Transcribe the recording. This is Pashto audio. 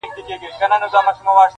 دا د مرګي له چېغو ډکه شپېلۍ٫